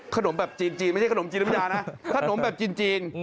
ขนมแบบจีนไม่ใช่ขนมจีนน้ำยานะขนมแบบจีน